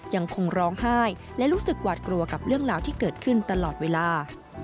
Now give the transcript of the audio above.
ยังคงร้องไห้และรู้สึกหวาดกลัวกับเรื่องราวที่เกิดขึ้นตลอดเวลา